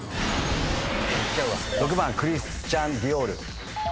６番クリスチャン・ディオール。